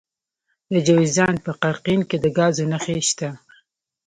د جوزجان په قرقین کې د ګازو نښې شته.